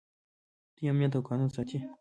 دوی امنیت او قانون ساتي.